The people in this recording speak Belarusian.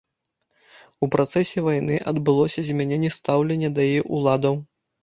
У працэсе вайны адбылося змяненне стаўлення да яе ўладаў.